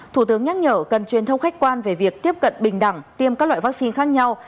thủ tướng nhắc nhở cần truyền thông khách quan về việc tiếp cận bình đẳng tiêm các loại vaccine khác nhau